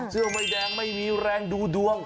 เชื่อมีไมส์แดงไม่มีแรงดูดวง